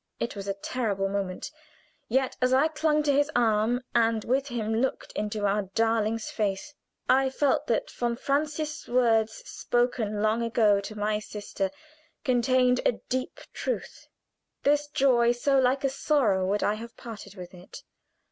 It was a terrible moment, yet, as I clung to his arm, and with him looked into our darling's face, I felt that von Francius' words, spoken long ago to my sister, contained a deep truth. This joy, so like a sorrow would I have parted with it?